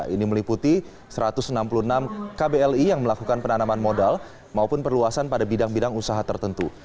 ini meliputi satu ratus enam puluh enam kbli yang melakukan penanaman modal maupun perluasan pada bidang bidang usaha tertentu